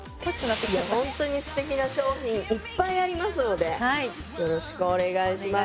ホントに素敵な商品いっぱいありますのでよろしくお願いします。